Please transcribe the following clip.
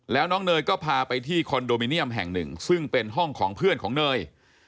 แล้วน้องเนยก็พาไปที่คอนโดมิเนียมแห่งหนึ่งซึ่งเป็นห้องของเพื่อนของเนย